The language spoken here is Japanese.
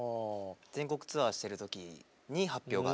全国ツアーしてる時に発表があって。